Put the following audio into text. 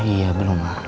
iya belum lah